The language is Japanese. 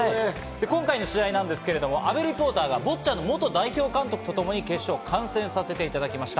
今回の試合なんですけど、阿部リポーターがボッチャの元代表監督とともに決勝を観戦させていただきました。